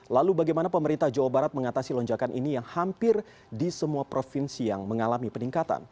lalu bagaimana pemerintah jawa barat mengatasi lonjakan ini yang hampir di semua provinsi yang mengalami peningkatan